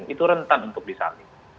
itu rentan untuk disalih